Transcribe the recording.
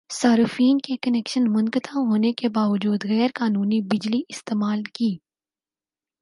صارفین نے کنکشن منقطع ہونے کے باوجودغیرقانونی بجلی استعمال کی